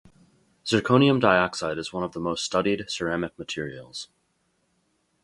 Zirconium dioxide is one of the most studied ceramic materials.